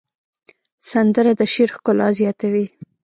سندره د شعر ښکلا زیاتوي